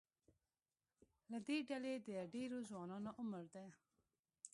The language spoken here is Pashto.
له دې ډلې د ډېرو ځوانانو عمر د